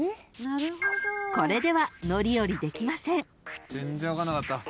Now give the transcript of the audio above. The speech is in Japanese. ［これでは乗り降りできません］